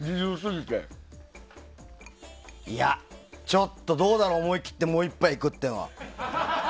ちょっとどうだろう思い切ってもう１杯いくっていうのは。